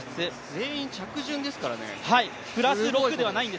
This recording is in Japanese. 全員着順ですからね。